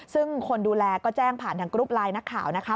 ซึ่งคนดูแลก็แจ้งผ่านทางกรุ๊ปไลน์นักข่าวนะคะ